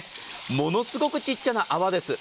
ものすごくちっちゃな泡です。